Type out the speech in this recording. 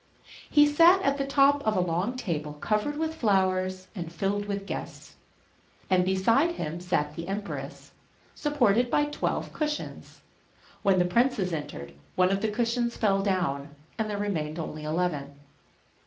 He sat at the top of a long table covered with flowers and filled with guests. And beside him sat the empress, supported by twelve cushions. When the princes entered one of the cushions fell down, and there remained only eleven.